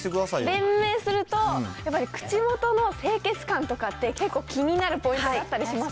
弁明すると、やっぱり口元の清潔感とかって、結構気になるポ分かる。